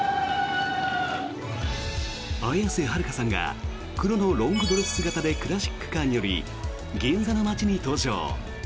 綾瀬はるかさんが黒のロングドレス姿でクラシックカーに乗り銀座の街に登場！